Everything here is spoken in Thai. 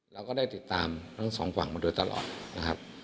เราก็ได้ติดตามทั้งสองฝั่งมาโดยตลอดนะครับ